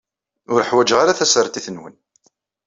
Ur ḥwaǧeɣ ara tasertit-nwen.